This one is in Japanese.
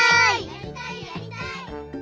やりたいやりたい！